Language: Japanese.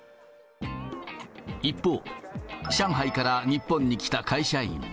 一方、上海から日本に来た会社員。